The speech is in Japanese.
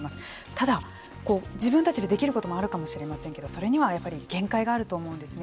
ただ、自分たちでできることもあるかもしれませんけれどもそれには、やはり限界があると思うんですね。